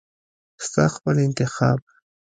ستا خپل انتخاب .